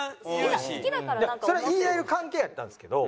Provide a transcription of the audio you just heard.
いやそれは言い合える関係やったんですけど。